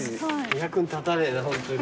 役に立たねえなホントに。